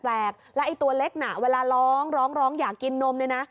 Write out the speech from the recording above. แล้วไอ้ตัวเล็กหน่ะเวลาร้องอย่างกินนม